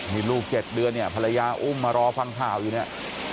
นี่ลูก๗เดือนเนี่ยภรรยาอุ้มมารอฟังข่าวอยู่เนี่ย